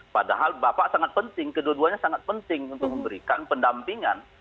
padahal bapak sangat penting kedua duanya sangat penting untuk memberikan pendampingan